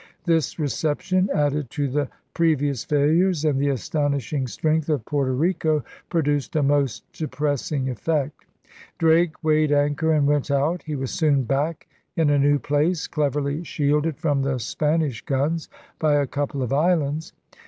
This reception, added to the pre vious failures and the astonishing strength of Porto Rico, produced a most depressing effect. Drake weighed anchor and went out. He was soon back in a new place, cleverly shielded from the Spanish guns by a couple of islands.